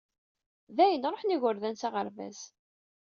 Dayen, ruḥen igerdan s aɣerbaz.